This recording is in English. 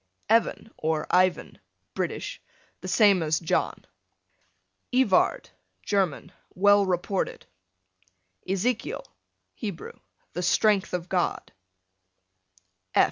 Evan, or Ivan, British, the same as John. Evard, German, well reported. Ezekiel, Hebrew, the strength of God.